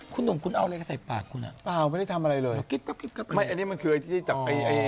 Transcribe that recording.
คุณหนุ่มคุณเอาอะไรไปใส่ปากคุณ